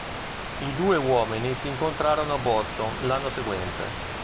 I due uomini si incontrarono a Boston l'anno seguente.